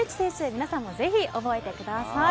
皆さんもぜひ覚えてください。